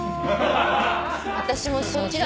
私もそっちだと。